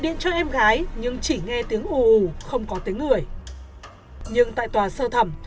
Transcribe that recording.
điện cho em gái nhưng chỉ nghe tiếng ù ù không có tiếng ngửi nhưng tại tòa sơ thẩm